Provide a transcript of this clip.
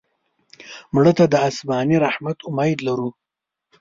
مړه ته د آسماني رحمت امید لرو